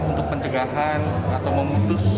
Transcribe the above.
untuk pencegahan atau memutus